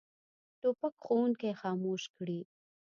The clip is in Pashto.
توپک ښوونکي خاموش کړي.